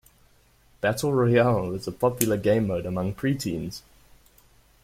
Battle Royale is a popular gamemode among preteens.